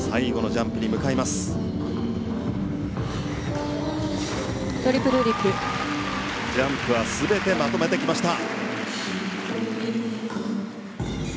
ジャンプは全てまとめてきました。